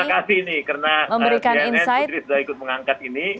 terima kasih nih karena cnn putri sudah ikut mengangkat ini